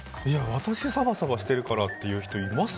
私サバサバしてるからって人います？